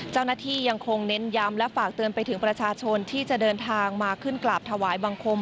ยังคงเน้นย้ำและฝากเตือนไปถึงประชาชนที่จะเดินทางมาขึ้นกราบถวายบังคม